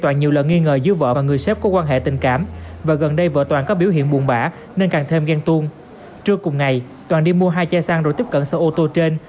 nguyên vã nên càng thêm ghen tuôn trưa cùng ngày toàn đi mua hai chai xăng rồi tiếp cận xe ô tô trên